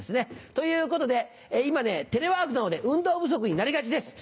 ということで今テレワークなどで運動不足になりがちです。